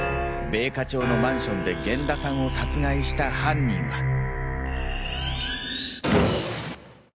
米花町のマンションで源田さんを殺害した犯人は。